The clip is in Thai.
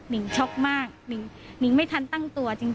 ่งช็อกมากนิ่งไม่ทันตั้งตัวจริง